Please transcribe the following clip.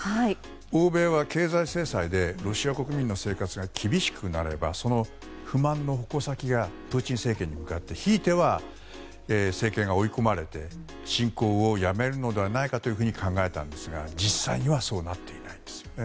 欧米は経済制裁でロシア国民の生活が厳しくなればその不満の矛先がプーチン政権に向かってひいては、政権が追い込まれて侵攻をやめるのではないかと考えたんですが実際にはそうなっていないですよね。